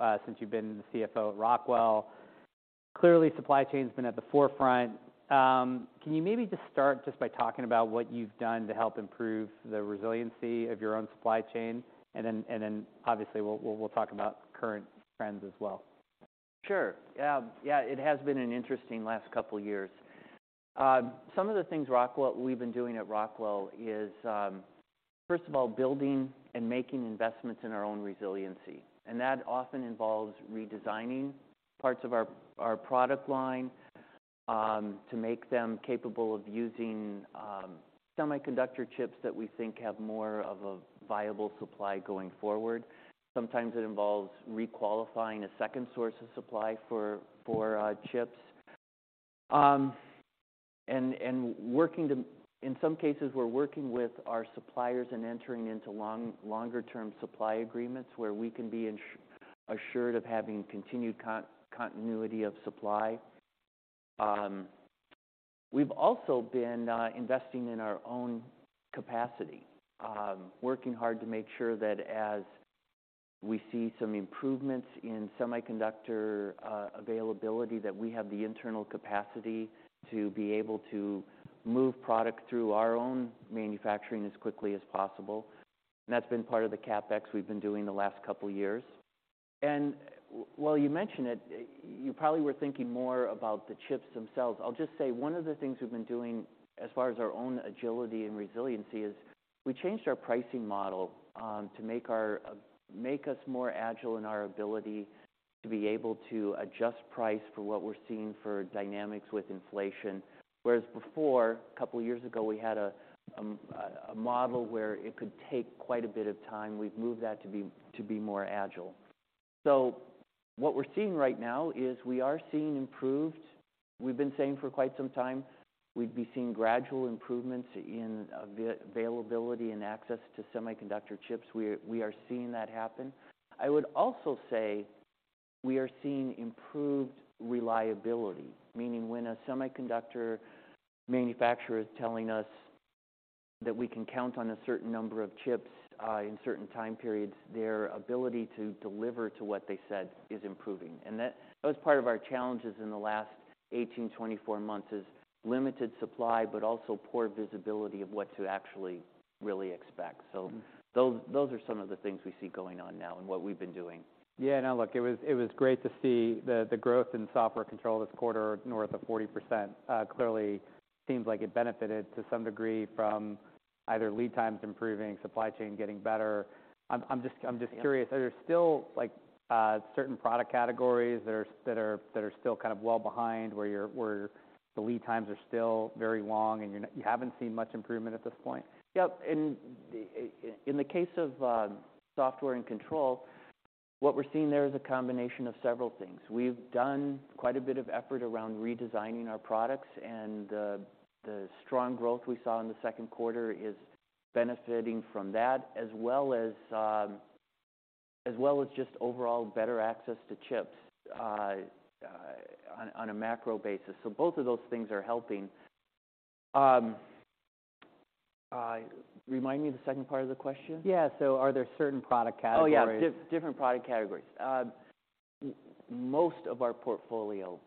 You since you've been the CFO at Rockwell, clearly supply chain's been at the forefront. Can you maybe just start just by talking about what you've done to help improve the resiliency of your own supply chain? Obviously we'll talk about current trends as well. Sure. Yeah, it has been an interesting last couple years. Some of the things Rockwell we've been doing at Rockwell is, first of all building and making investments in our own resiliency, and that often involves redesigning parts of our product line, to make them capable of using semiconductor chips that we think have more of a viable supply going forward. Sometimes it involves re-qualifying a second source of supply for chips. Working to... In some cases, we're working with our suppliers and entering into longer term supply agreements where we can be assured of having continued continuity of supply. We've also been investing in our own capacity, working hard to make sure that as we see some improvements in semiconductor availability, that we have the internal capacity to be able to move product through our own manufacturing as quickly as possible. That's been part of the CapEx we've been doing the last couple years. While you mention it, you probably were thinking more about the chips themselves. I'll just say one of the things we've been doing as far as our own agility and resiliency is we changed our pricing model to make us more agile in our ability to be able to adjust price for what we're seeing for dynamics with inflation. Whereas before, a couple years ago, we had a model where it could take quite a bit of time. We've moved that to be more agile. What we're seeing right now is we are seeing improved. We've been saying for quite some time we'd be seeing gradual improvements in availability and access to semiconductor chips. We are seeing that happen. I would also say we are seeing improved reliability, meaning when a semiconductor manufacturer is telling us that we can count on a certain number of chips in certain time periods, their ability to deliver to what they said is improving. That was part of our challenges in the last 18, 24 months, is limited supply, but also poor visibility of what to actually really expect. Mm-hmm. Those are some of the things we see going on now and what we've been doing. Yeah. Now look, it was, it was great to see the growth in Software & Control this quarter, north of 40%. Clearly seems like it benefited to some degree from either lead times improving, supply chain getting better. I'm just curious. Yeah. Are there still, like, certain product categories that are still kind of well behind where the lead times are still very long and you haven't seen much improvement at this point? Yep. In the case of Software & Control, what we're seeing there is a combination of several things. We've done quite a bit of effort around redesigning our products, and the strong growth we saw in the second quarter is benefiting from that as well as just overall better access to chips on a macro basis. Both of those things are helping. Remind me the second part of the question. Yeah. Are there certain product categories- Oh, yeah. Different product categories. Most of our portfolio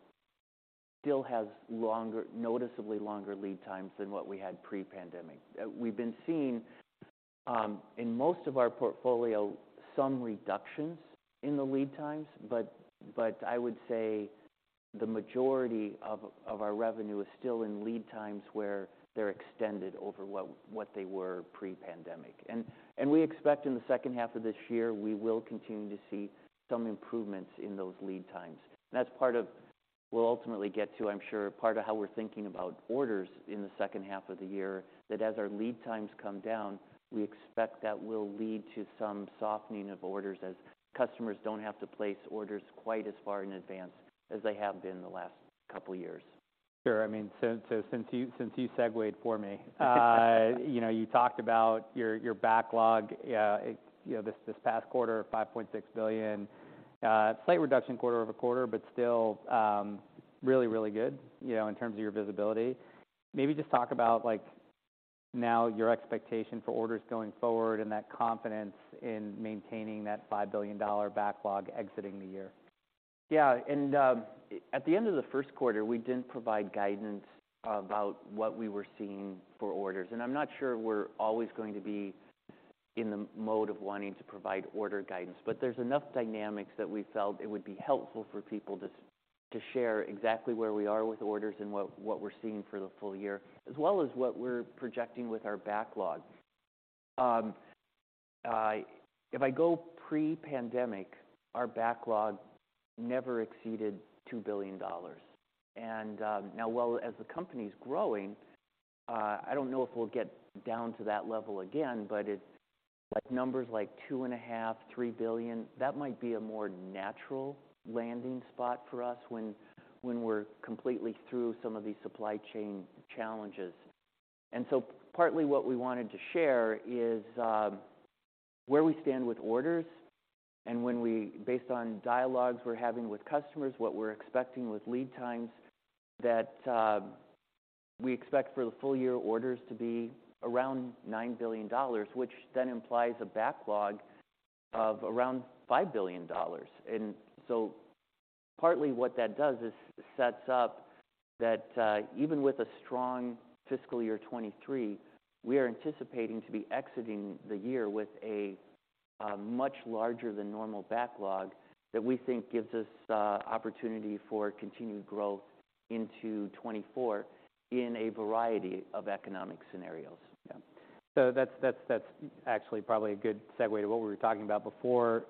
still has longer, noticeably longer lead times than what we had pre-pandemic. We've been seeing in most of our portfolio some reductions in the lead times, but I would say the majority of our revenue is still in lead times where they're extended over what they were pre-pandemic. We expect in the second half of this year we will continue to see some improvements in those lead times, and that's part of we'll ultimately get to, I'm sure, part of how we're thinking about orders in the second half of the year, that as our lead times come down, we expect that will lead to some softening of orders as customers don't have to place orders quite as far in advance as they have been the last couple years. Sure. I mean, since you segued for me, you know, you talked about your backlog, you know, this past quarter, $5.6 billion. slight reduction quarter-over-quarter, still, really good, you know, in terms of your visibility. Maybe just talk about like now your expectation for orders going forward and that confidence in maintaining that $5 billion backlog exiting the year. Yeah. At the end of the first quarter, we didn't provide guidance about what we were seeing for orders, and I'm not sure we're always going to be in the mode of wanting to provide order guidance. There's enough dynamics that we felt it would be helpful for people to share exactly where we are with orders and what we're seeing for the full year, as well as what we're projecting with our backlog. If I go pre-pandemic, our backlog never exceeded $2 billion. Now while as the company's growing, I don't know if we'll get down to that level again, but it's like numbers like $2.5 billion-$3 billion, that might be a more natural landing spot for us when we're completely through some of these supply chain challenges. Partly what we wanted to share is, where we stand with orders and when we, based on dialogues we're having with customers, what we're expecting with lead times. We expect for the full year orders to be around $9 billion, which then implies a backlog of around $5 billion. Partly what that does is sets up that, even with a strong fiscal year 2023, we are anticipating to be exiting the year with a much larger than normal backlog that we think gives us opportunity for continued growth into 2024 in a variety of economic scenarios. Yeah. So that's, that's actually probably a good segue to what we were talking about before,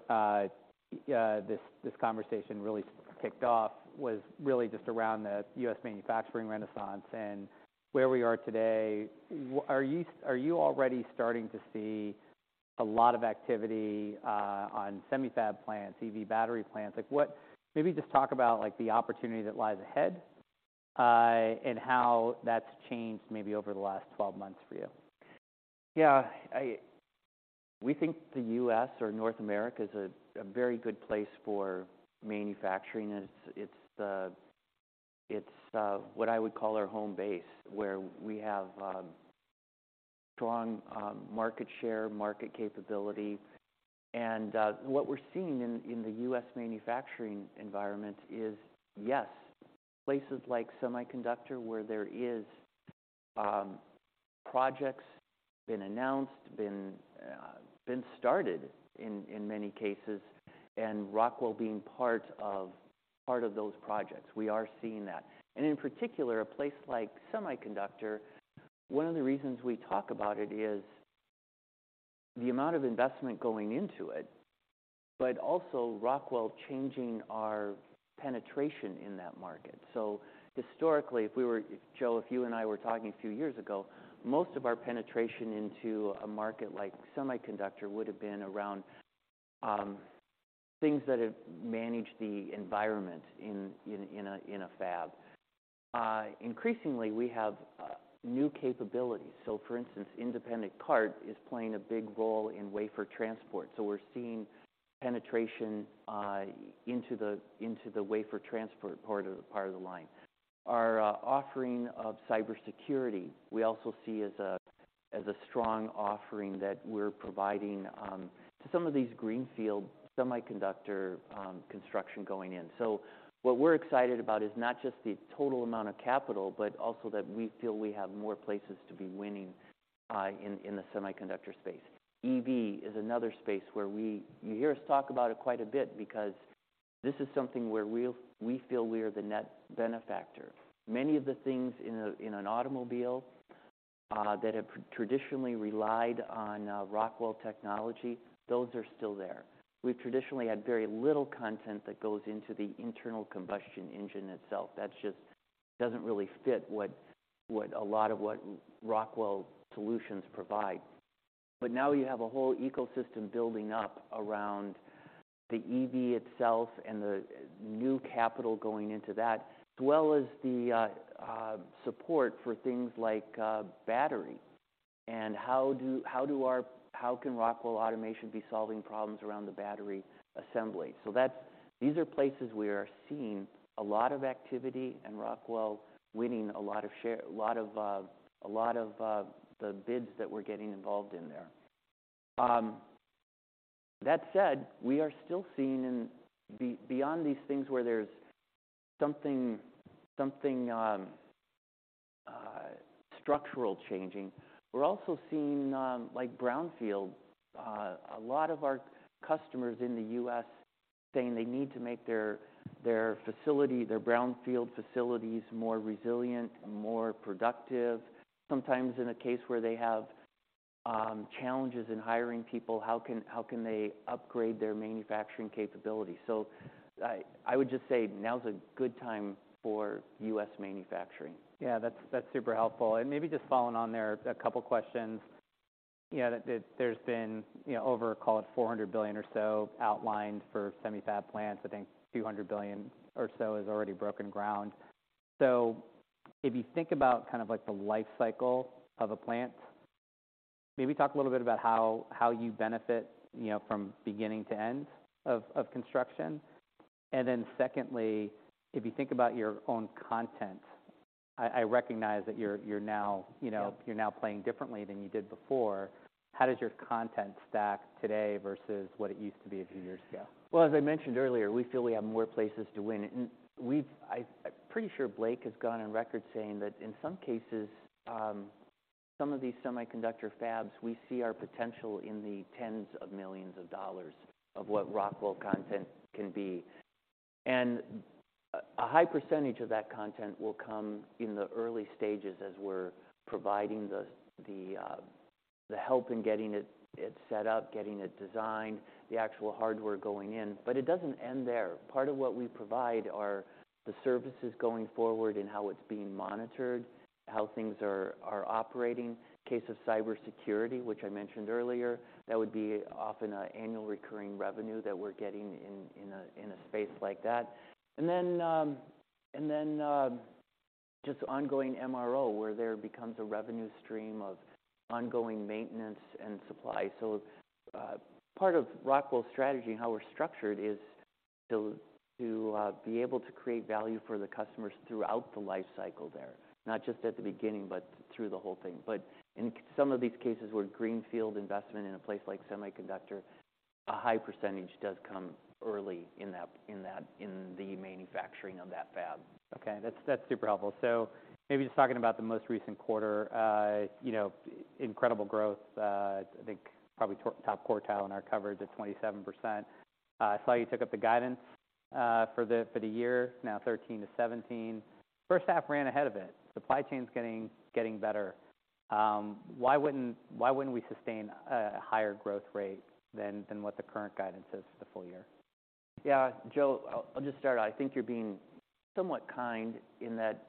this conversation really kicked off, was really just around the U.S. manufacturing renaissance and where we are today. Are you already starting to see a lot of activity on semi fab plants, EV battery plants? Maybe just talk about like the opportunity that lies ahead, and how that's changed maybe over the last 12 months for you. Yeah. We think the U.S. or North America is a very good place for manufacturing, and it's what I would call our home base, where we have strong market share, market capability. What we're seeing in the U.S. manufacturing environment is, yes, places like semiconductor, where there is projects been announced, been started in many cases, and Rockwell being part of those projects. We are seeing that. In particular, a place like semiconductor, one of the reasons we talk about it is the amount of investment going into it, but also Rockwell changing our penetration in that market. Historically, Joe, if you and I were talking a few years ago, most of our penetration into a market like semiconductor would have been around things that have managed the environment in a fab. Increasingly, we have new capabilities. For instance, Independent Cart is playing a big role in wafer transport. We're seeing penetration into the wafer transport part of the line. Our offering of cybersecurity, we also see as a strong offering that we're providing to some of these greenfield semiconductor construction going in. What we're excited about is not just the total amount of capital, but also that we feel we have more places to be winning in the semiconductor space. EV is another space where you hear us talk about it quite a bit because this is something where we feel we're the net benefactor. Many of the things in an automobile that have traditionally relied on Rockwell technology, those are still there. We've traditionally had very little content that goes into the internal combustion engine itself. That just doesn't really fit what a lot of what Rockwell solutions provide. Now you have a whole ecosystem building up around the EV itself and the new capital going into that, as well as the support for things like battery and how can Rockwell Automation be solving problems around the battery assembly. These are places we are seeing a lot of activity and Rockwell winning a lot of share, a lot of the bids that we're getting involved in there. That said, we are still seeing beyond these things where there's something structural changing, we're also seeing, like brownfield, a lot of our customers in the U.S. saying they need to make their facility, their brownfield facilities more resilient and more productive. Sometimes in a case where they have challenges in hiring people, how can they upgrade their manufacturing capability? I would just say now is a good time for U.S. manufacturing. Yeah, that's super helpful. Maybe just following on there, a couple questions. You know, there's been, you know, over, call it $400 billion or so outlined for semi fab plants. I think $200 billion or so has already broken ground. If you think about kind of like the life cycle of a plant, maybe talk a little bit about how you benefit, you know, from beginning to end of construction. Secondly, if you think about your own content, I recognize that you're now, you know... Yeah you're now playing differently than you did before. How does your content stack today versus what it used to be a few years ago? Well, as I mentioned earlier, we feel we have more places to win. I'm pretty sure Blake has gone on record saying that in some cases, some of these semiconductor fabs, we see our potential in the tens of millions of dollars of what Rockwell content can be. A high percentage of that content will come in the early stages as we're providing the help in getting it set up, getting it designed, the actual hardware going in. It doesn't end there. Part of what we provide are the services going forward and how it's being monitored, how things are operating. Case of cybersecurity, which I mentioned earlier, that would be often a annual recurring revenue that we're getting in a space like that. Just ongoing MRO, where there becomes a revenue stream of ongoing maintenance and supply. Part of Rockwell's strategy and how we're structured is to be able to create value for the customers throughout the life cycle there, not just at the beginning, but through the whole thing. In some of these cases, where greenfield investment in a place like semiconductor, a high percentage does come early in the manufacturing of that fab. Okay. That's super helpful. Maybe just talking about the most recent quarter, you know, incredible growth, I think probably top quartile in our coverage at 27%. I saw you took up the guidance for the year, now 13%-17%. First half ran ahead of it. Supply chain's getting better. Why wouldn't we sustain a higher growth rate than what the current guidance is for the full year? Yeah. Joe, I'll just start out. I think you're being somewhat kind in that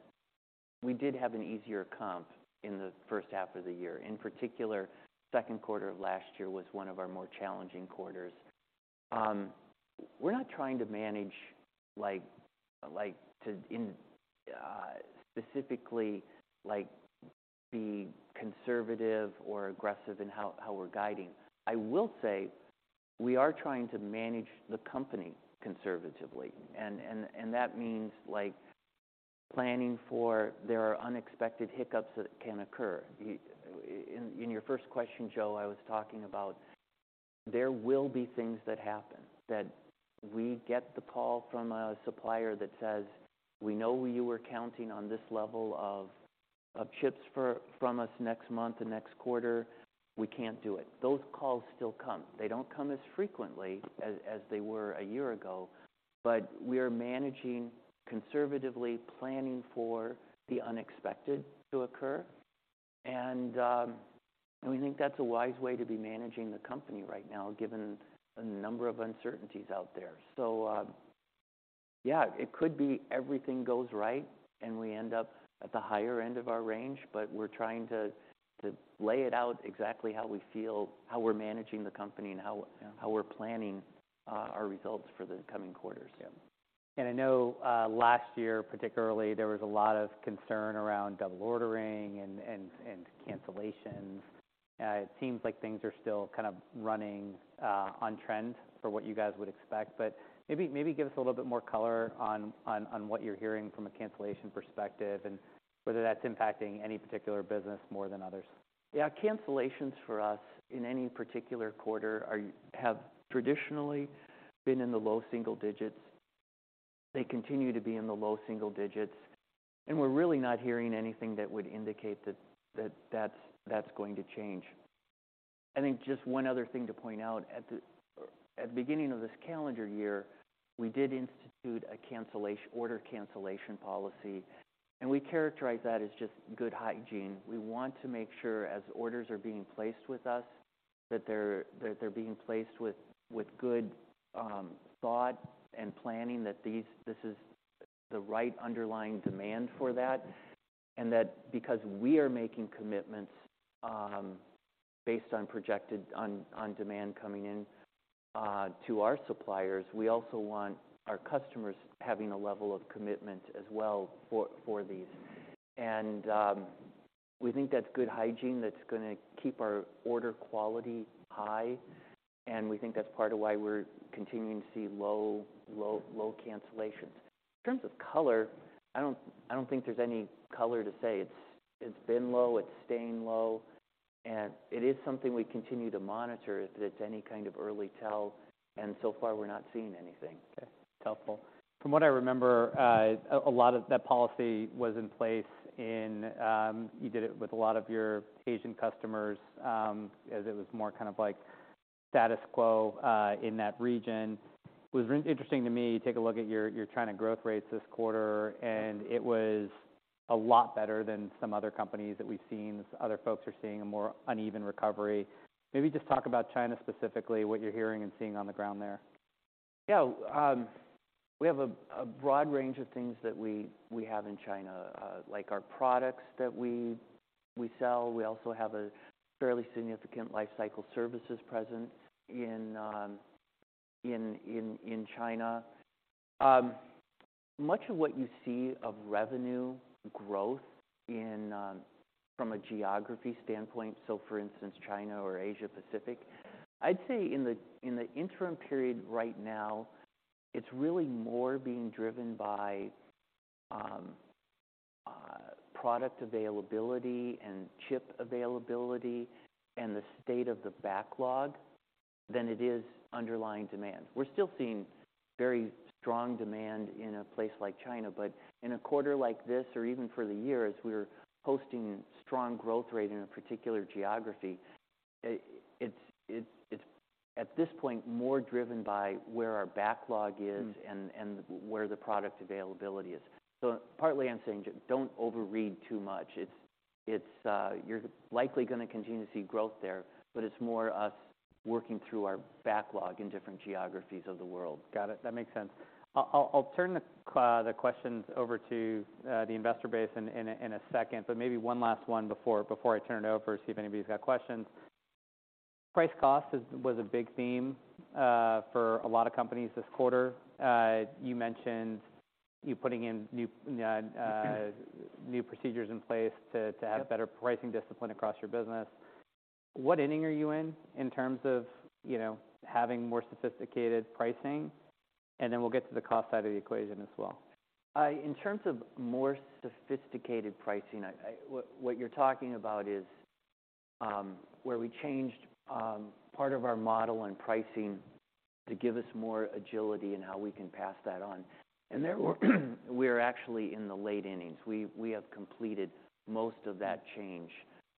we did have an easier comp in the first half of the year. In particular, second quarter of last year was one of our more challenging quarters. We're not trying to manage specifically like be conservative or aggressive in how we're guiding. I will say we are trying to manage the company conservatively, and that means, like, planning for there are unexpected hiccups that can occur. In your first question, Joe, I was talking about there will be things that happen, that we get the call from a supplier that says, "We know you were counting on this level of chips from us next month and next quarter, we can't do it." Those calls still come. They don't come as frequently as they were a year ago, but we are managing conservatively, planning for the unexpected to occur. We think that's a wise way to be managing the company right now, given a number of uncertainties out there. Yeah, it could be everything goes right, and we end up at the higher end of our range, but we're trying to lay it out exactly how we feel, how we're managing the company, and how. Yeah How we're planning, our results for the coming quarters. Yeah. I know, last year particularly, there was a lot of concern around double ordering and cancellations. It seems like things are still kind of running on trend for what you guys would expect. Maybe give us a little bit more color on what you're hearing from a cancellation perspective and whether that's impacting any particular business more than others. Yeah. Cancellations for us in any particular quarter have traditionally been in the low single digits. They continue to be in the low single digits, and we're really not hearing anything that would indicate that that's going to change. I think just one other thing to point out. At the beginning of this calendar year, we did institute a order cancellation policy, and we characterize that as just good hygiene. We want to make sure as orders are being placed with us, that they're being placed with good thought and planning, that this is the right underlying demand for that, and that because we are making commitments, based on projected on demand coming in to our suppliers. We also want our customers having a level of commitment as well for these. We think that's good hygiene that's gonna keep our order quality high. We think that's part of why we're continuing to see low, low, low cancellations. In terms of color, I don't think there's any color to say. It's been low, it's staying low. It is something we continue to monitor if it's any kind of early tell. So far we're not seeing anything. Okay. Helpful. From what I remember, a lot of that policy was in place in, you did it with a lot of your Asian customers, as it was more kind of like status quo in that region. It was re-interesting to me, take a look at your China growth rates this quarter. It was a lot better than some other companies that we've seen, as other folks are seeing a more uneven recovery. Maybe just talk about China specifically, what you're hearing and seeing on the ground there? Yeah. We have a broad range of things that we have in China, like our products that we sell. We also have a fairly significant Lifecycle Services presence in China. Much of what you see of revenue growth in from a geography standpoint, so for instance, China or Asia Pacific, I'd say in the interim period right now, it's really more being driven by product availability and chip availability and the state of the backlog than it is underlying demand. We're still seeing very strong demand in a place like China, in a quarter like this or even for the year, as we're posting strong growth rate in a particular geography, it's at this point more driven by where our backlog is. Mm-hmm and where the product availability is. Partly I'm saying don't overread too much. It's, you're likely gonna continue to see growth there, but it's more us working through our backlog in different geographies of the world. Got it. That makes sense. I'll turn the questions over to the investor base in a second, but maybe one last one before I turn it over, see if anybody's got questions. Price cost was a big theme for a lot of companies this quarter. You mentioned you putting in new. Mm-hmm... New procedures in place to. Yep... Have better pricing discipline across your business. What inning are you in in terms of, you know, having more sophisticated pricing? We'll get to the cost side of the equation as well. In terms of more sophisticated pricing, what you're talking about is where we changed part of our model and pricing to give us more agility in how we can pass that on. There we're actually in the late innings. We have completed most of that change.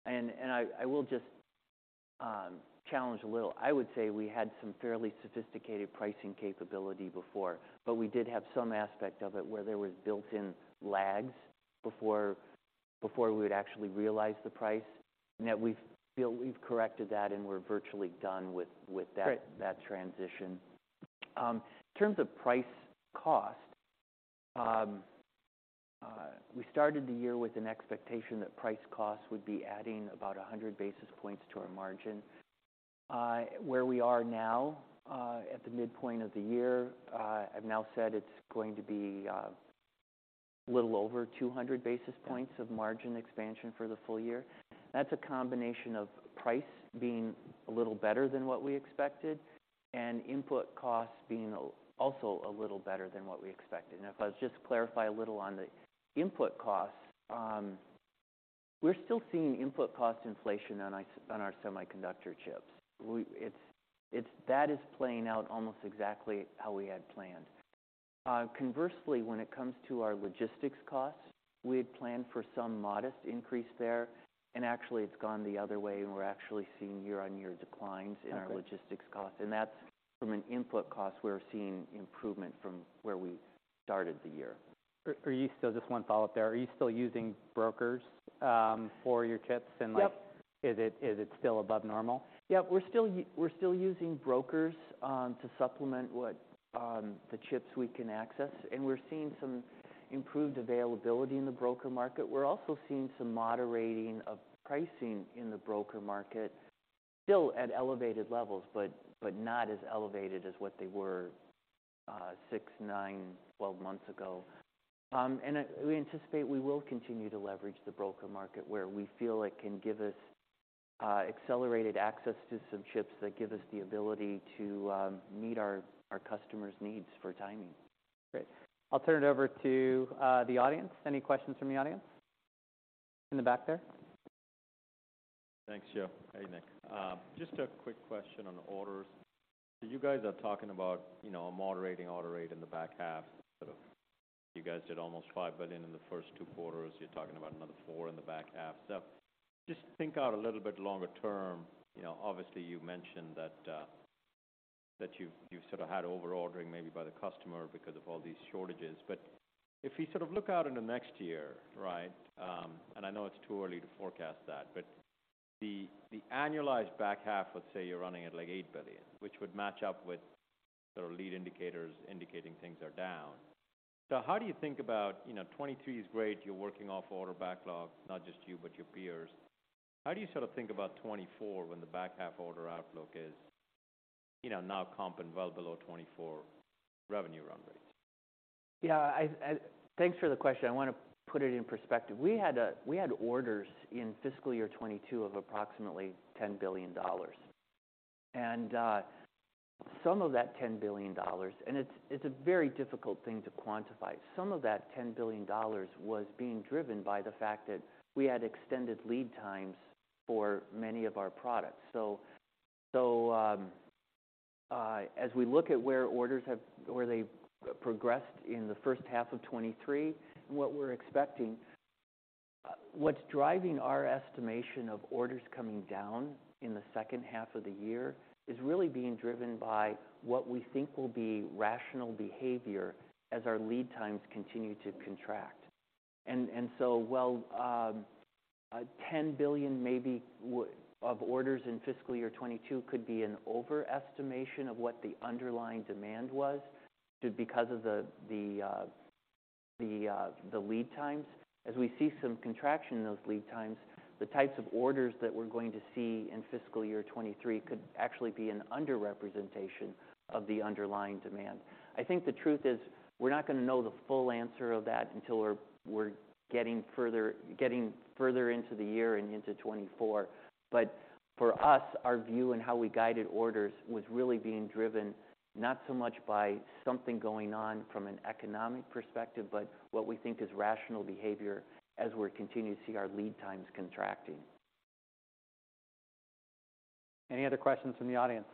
I will just challenge a little. I would say we had some fairly sophisticated pricing capability before we would actually realize the price, and that we've corrected that, and we're virtually done with that. Great... That transition. In terms of price cost, we started the year with an expectation that price costs would be adding about 100 basis points to our margin. Where we are now, at the midpoint of the year, I've now said it's going to be a little over 200 basis points of margin expansion for the full year. That's a combination of price being a little better than what we expected and input costs being also a little better than what we expected. If I was just to clarify a little on the input costs, we're still seeing input cost inflation on our semiconductor chips. That is playing out almost exactly how we had planned. Conversely, when it comes to our logistics costs, we had planned for some modest increase there, and actually it's gone the other way, and we're actually seeing year-on-year declines in our logistics costs. That's from an input cost, we're seeing improvement from where we started the year. Are you still... Just one follow-up there. Are you still using brokers for your chips? Yep. Is it still above normal? Yeah. We're still using brokers to supplement what the chips we can access, and we're seeing some improved availability in the broker market. We're also seeing some moderating of pricing in the broker market. Still at elevated levels, but not as elevated as what they were six, nine, 12 months ago. We anticipate we will continue to leverage the broker market where we feel it can give us accelerated access to some chips that give us the ability to meet our customers' needs for timing. Great. I'll turn it over to the audience. Any questions from the audience? In the back there. Thanks, Joe. Hey, Nick. Just a quick question on orders. You guys are talking about, you know, a moderating order rate in the back half. You guys did almost $5 billion in the first two quarters. You're talking about another $4 billion in the back half. Just think out a little bit longer term, you know, obviously, you mentioned that you've sort of had over ordering maybe by the customer because of all these shortages. If you sort of look out in the next year, right? I know it's too early to forecast that, but the annualized back half, let's say, you're running at like $8 billion, which would match up with sort of lead indicators indicating things are down. How do you think about, you know, 2023 is great. You're working off order backlogs, not just you, but your peers. How do you sort of think about 2024 when the back half order outlook is, you know, now comping well below 2024 revenue run rates? Yeah. I Thanks for the question. I wanna put it in perspective. We had orders in fiscal year 2022 of approximately $10 billion. Some of that $10 billion, and it's a very difficult thing to quantify. Some of that $10 billion was being driven by the fact that we had extended lead times for many of our products. As we look at where orders where they've progressed in the first half of 2023, and what we're expecting, what's driving our estimation of orders coming down in the second half of the year is really being driven by what we think will be rational behavior as our lead times continue to contract. While $10 billion of orders in fiscal year 2022 could be an overestimation of what the underlying demand was just because of the lead times. As we see some contraction in those lead times, the types of orders that we're going to see in fiscal year 2023 could actually be an underrepresentation of the underlying demand. I think the truth is we're not gonna know the full answer of that until we're getting further into the year and into 2024. For us, our view in how we guided orders was really being driven, not so much by something going on from an economic perspective, but what we think is rational behavior as we're continuing to see our lead times contracting. Any other questions from the audience?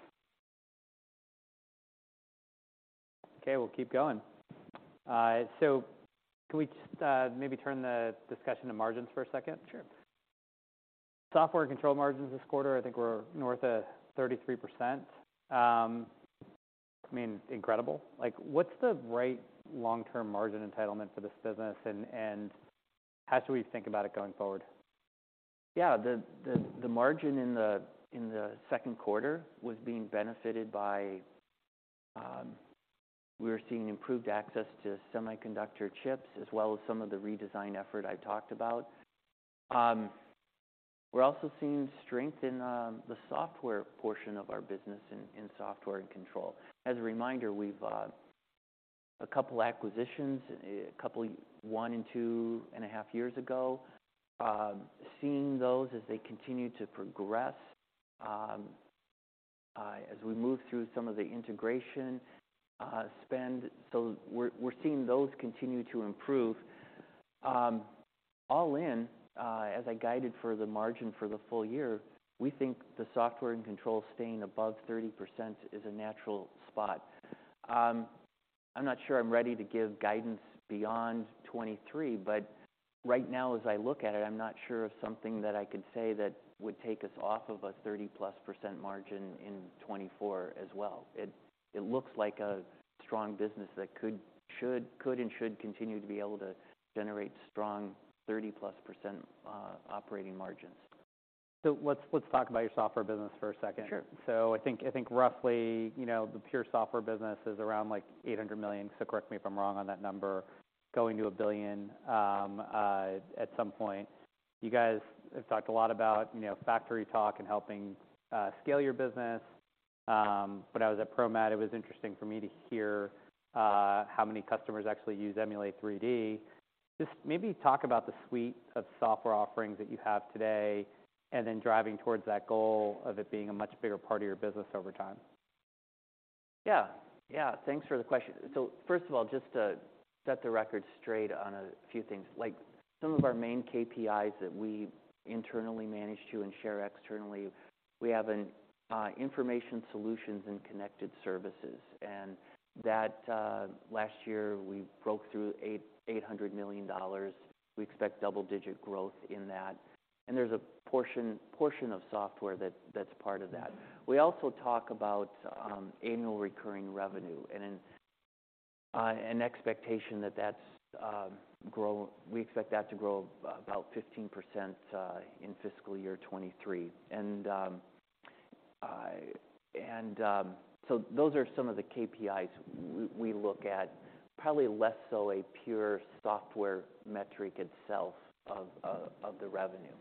Okay, we'll keep going. Can we just maybe turn the discussion to margins for a second? Sure. Software & Control margins this quarter, I think we're north of 33%. I mean, incredible. Like, what's the right long-term margin entitlement for this business? How should we think about it going forward? Yeah. The margin in the second quarter was being benefited by, we were seeing improved access to semiconductor chips as well as some of the redesign effort I talked about. We're also seeing strength in the software portion of our business in Software & Control. As a reminder, A couple acquisitions, a couple one and two and a half years ago, seeing those as they continue to progress as we move through some of the integration spend. We're seeing those continue to improve. All in, as I guided for the margin for the full year, we think the Software & Control staying above 30% is a natural spot. I'm not sure I'm ready to give guidance beyond 2023, but right now as I look at it, I'm not sure of something that I could say that would take us off of a 30%+ margin in 2024 as well. It looks like a strong business that could, should, could and should continue to be able to generate strong 30%+ operating margins. Let's talk about your software business for a second. Sure. I think roughly, you know, the pure software business is around like $800 million, so correct me if I'm wrong on that number, going to $1 billion at some point. You guys have talked a lot about, you know, FactoryTalk and helping scale your business. When I was at ProMat, it was interesting for me to hear how many customers actually use Emulate3D. Just maybe talk about the suite of software offerings that you have today, and then driving towards that goal of it being a much bigger part of your business over time. Yeah. Yeah, thanks for the question. First of all, just to set the record straight on a few things. Like, some of our main KPIs that we internally manage to and share externally, we have an Information Solutions and Connected Services. That last year we broke through $800 million. We expect double-digit growth in that. There's a portion of software that's part of that. We also talk about annual recurring revenue and an expectation that that's We expect that to grow about 15% in fiscal year 2023. Those are some of the KPIs we look at, probably less so a pure software metric itself of the revenue.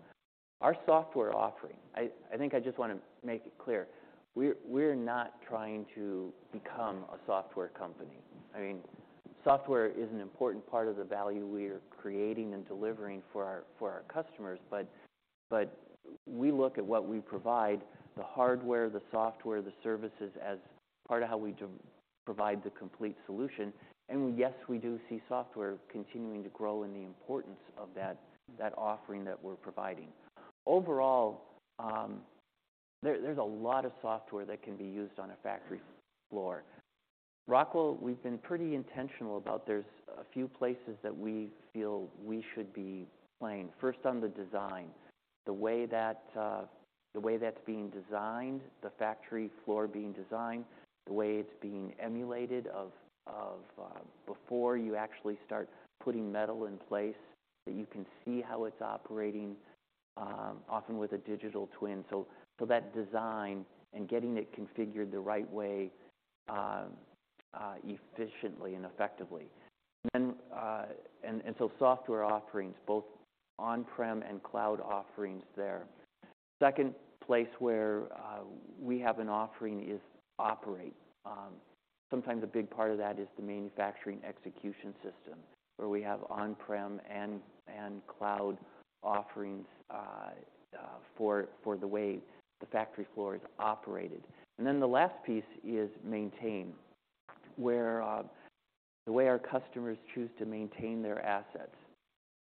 Our software offering, I think I just want to make it clear, we're not trying to become a software company. I mean, software is an important part of the value we are creating and delivering for our customers, but we look at what we provide, the hardware, the software, the services as part of how we provide the complete solution. Yes, we do see software continuing to grow and the importance of that offering that we're providing. Overall, there's a lot of software that can be used on a factory floor. Rockwell, we've been pretty intentional about there's a few places that we feel we should be playing. First on the design. The way that, the way that's being designed, the factory floor being designed, the way it's being emulated before you actually start putting metal in place, that you can see how it's operating, often with a digital twin. That design and getting it configured the right way, efficiently and effectively. Software offerings, both on-prem and cloud offerings there. Second place where we have an offering is operate. Sometimes a big part of that is the manufacturing execution system, where we have on-prem and cloud offerings for the way the factory floor is operated. The last piece is maintain, where the way our customers choose to maintain their assets.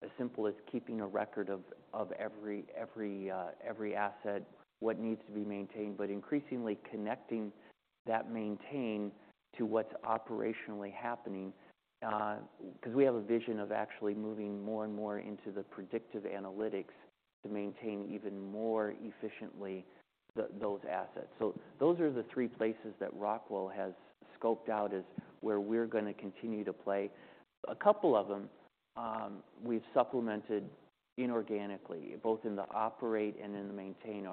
As simple as keeping a record of every asset, what needs to be maintained, but increasingly connecting that maintain to what's operationally happening, 'cause we have a vision of actually moving more and more into the predictive analytics to maintain even more efficiently those assets. Those are the three places that Rockwell has scoped out as where we're gonna continue to play. A couple of them, we've supplemented inorganically, both in the operate and in the maintain.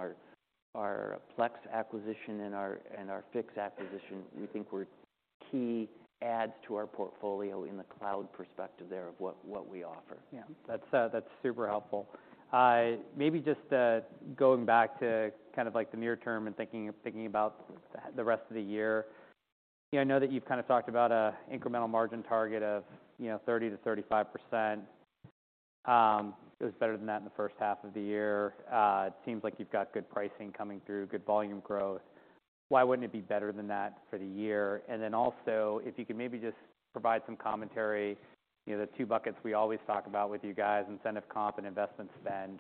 Our Plex acquisition and our Fiix acquisition, we think were key adds to our portfolio in the cloud perspective there of what we offer. Yeah. That's super helpful. Maybe just going back to kind of like the near term and thinking about the rest of the year. You know, I know that you've kind of talked about a incremental margin target of, you know, 30%-35%. It was better than that in the first half of the year. It seems like you've got good pricing coming through, good volume growth. Why wouldn't it be better than that for the year? Also, if you could maybe just provide some commentary, you know, the two buckets we always talk about with you guys, incentive comp and investment spend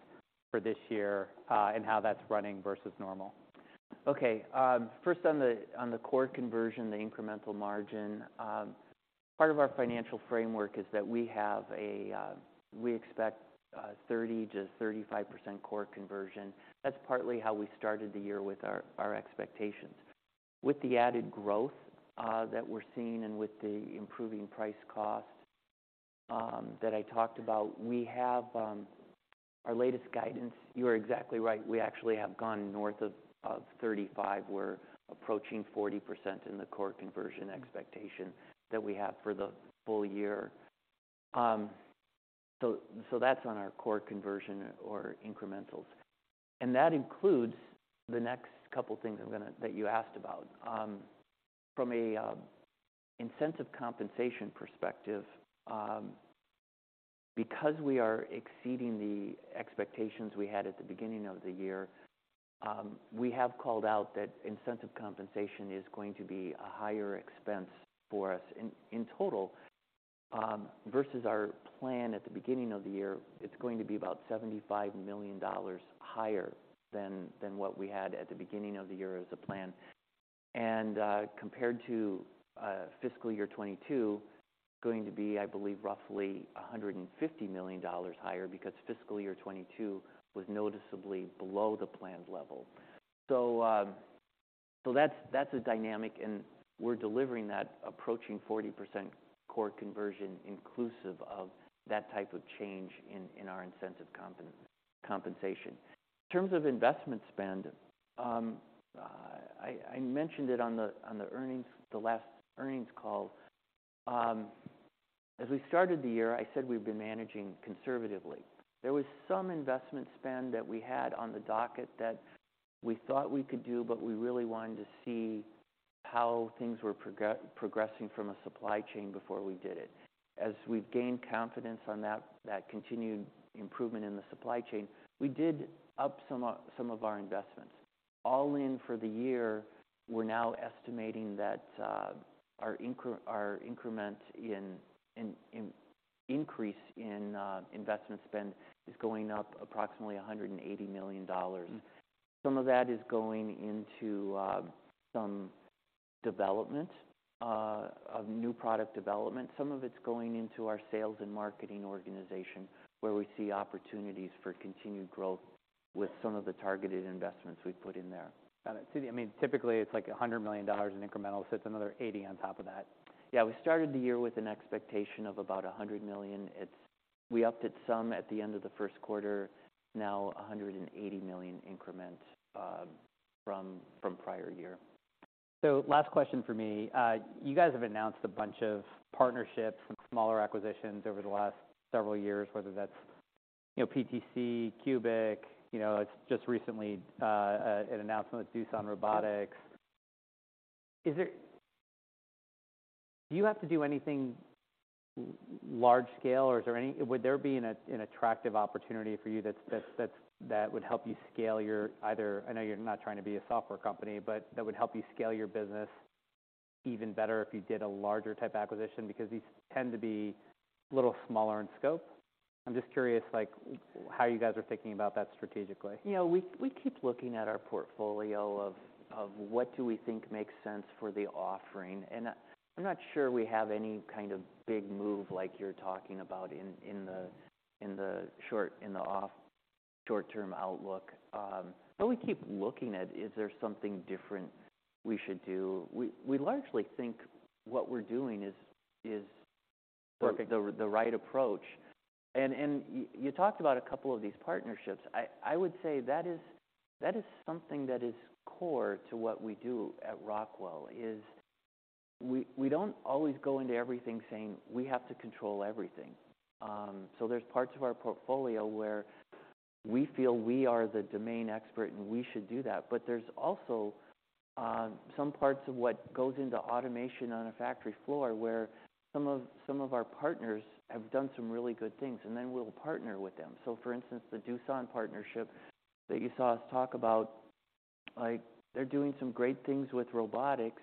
for this year, and how that's running versus normal. First on the core conversion, the incremental margin, part of our financial framework is that we have, we expect 30%-35% core conversion. That's partly how we started the year with our expectations. With the added growth that we're seeing and with the improving price cost that I talked about, we have. Our latest guidance, you are exactly right. We actually have gone north of 35. We're approaching 40% in the core conversion expectation that we have for the full year. So that's on our core conversion or incrementals. That includes the next couple things I'm gonna that you asked about. From a incentive compensation perspective, because we are exceeding the expectations we had at the beginning of the year, we have called out that incentive compensation is going to be a higher expense for us in total versus our plan at the beginning of the year. It's going to be about $75 million higher than what we had at the beginning of the year as a plan. Compared to fiscal year 2022, going to be, I believe, roughly $150 million higher because fiscal year 2022 was noticeably below the planned level. That's a dynamic, and we're delivering that approaching 40% core conversion inclusive of that type of change in our incentive compensation. In terms of investment spend, I mentioned it on the earnings, the last earnings call. As we started the year, I said we've been managing conservatively. There was some investment spend that we had on the docket that we thought we could do, but we really wanted to see how things were progressing from a supply chain before we did it. As we've gained confidence on that continued improvement in the supply chain, we did up some of our investments. All in for the year, we're now estimating that, our increment in increase in investment spend is going up approximately $180 million. Some of that is going into some development of new product development. Some of it's going into our sales and marketing organization where we see opportunities for continued growth with some of the targeted investments we've put in there. Got it. I mean, typically it's like $100 million in incremental, so it's another 80 on top of that. Yeah. We started the year with an expectation of about $100 million. We upped it some at the end of the first quarter, now a $180 million increment, from prior year. Last question for me. You guys have announced a bunch of partnerships and smaller acquisitions over the last several years, whether that's, you know, PTC, CUBIC, you know, it's just recently an announcement with Doosan Robotics. Do you have to do anything large scale or is there any attractive opportunity for you that would help you scale your either, I know you're not trying to be a software company, but that would help you scale your business even better if you did a larger type acquisition because these tend to be a little smaller in scope? I'm just curious like how you guys are thinking about that strategically. You know, we keep looking at our portfolio of what do we think makes sense for the offering and I'm not sure we have any kind of big move like you're talking about in the off short-term outlook. We keep looking at is there something different we should do. We largely think what we're doing is. Perfect... The right approach. You talked about a couple of these partnerships. I would say that is something that is core to what we do at Rockwell, we don't always go into everything saying we have to control everything. There's parts of our portfolio where we feel we are the domain expert and we should do that. There's also some parts of what goes into automation on a factory floor where some of our partners have done some really good things, and then we'll partner with them. For instance, the Doosan partnership that you saw us talk about, like they're doing some great things with robotics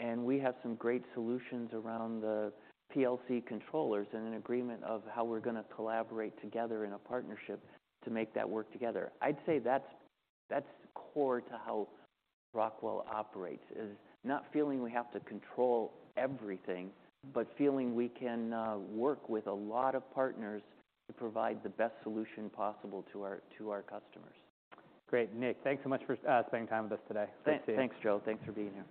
and we have some great solutions around the PLC controllers and an agreement of how we're gonna collaborate together in a partnership to make that work together. I'd say that's core to how Rockwell operates, is not feeling we have to control everything, but feeling we can work with a lot of partners to provide the best solution possible to our customers. Great. Nick, thanks so much for spending time with us today. Good to see you. Thanks, Joe. Thanks for being here.